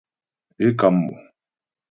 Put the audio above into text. Ě kam mo.